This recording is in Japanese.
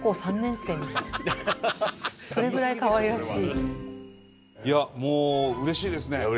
何かいやもううれしいですね